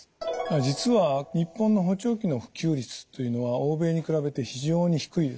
実は日本の補聴器の普及率というのは欧米に比べて非常に低いです。